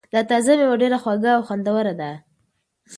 دا تازه مېوه ډېره خوږه او خوندوره ده.